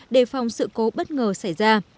đề phòng sự cố bất ngờ xảy ra